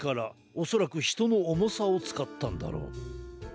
おそらくひとのおもさをつかったんだろう。